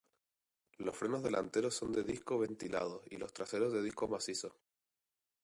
Los frenos delanteros son de discos ventilados y los traseros de discos macizos.